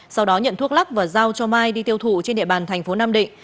sau đó nhận thuốc lắc và giao cho mai đi tiêu thụ trên địa bàn thành phố nam định